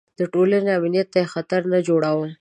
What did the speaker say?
د ټولنې امنیت ته یې خطر نه جوړاوه.